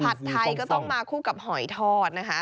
ไทยก็ต้องมาคู่กับหอยทอดนะคะ